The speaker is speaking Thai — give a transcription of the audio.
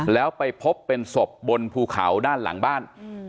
แล้วไปพบเป็นศพบนภูเขาด้านหลังบ้าน